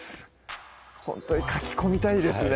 ほんとにかき込みたいですね